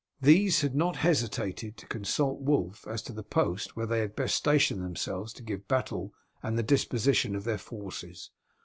These had not hesitated to consult Wulf as to the post where they had best station themselves to give battle, and the disposition of their forces.